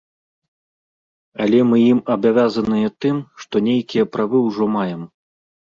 Але мы ім абавязаныя тым, што нейкія правы ўжо маем.